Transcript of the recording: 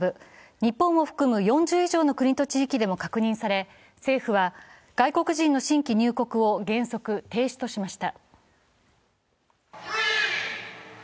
日本を含む４０以上の国と地域でも確認され政府は外国人の新規入国を原則停止としました。